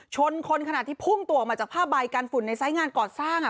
ชนคนขนาดที่พุ่งตัวมาจากผ้าใบกันฝุ่นในซ้ายงานกอดสร้างค่ะ